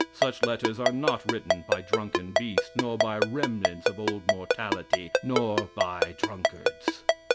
Such letters are not written by drunken beasts, nor by remnants of old mortality, nor by drunkards.